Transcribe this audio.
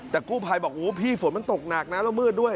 แต่กู้ภัยบอกโอ้พี่ฝนมันตกหนักนะแล้วมืดด้วย